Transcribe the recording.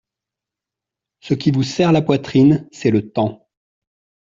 Ce qui vous serre la poitrine, c'est le temps.